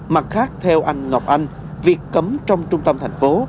mặt khác theo anh ngọc anh việc cấm trong trung tâm thành phố